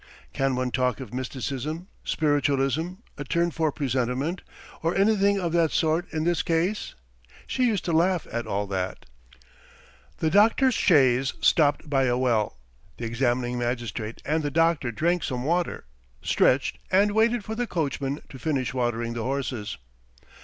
Can one talk of mysticism, spiritualism, a turn for presentiment, or anything of that sort, in this case? She used to laugh at all that." The doctor's chaise stopped by a well. The examining magistrate and the doctor drank some water, stretched, and waited for the coachman to finish watering the horses.